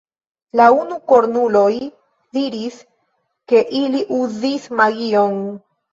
La unukornuloj diris, ke ili uzis magion.